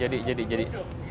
jadi jadi jadi